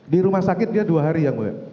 di rumah sakit dia dua hari ya mbak